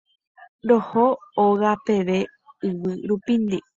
Roho hóga peve yvy rupínte.